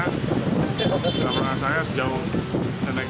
menabraknya saya sejauh dan naik ke kapnya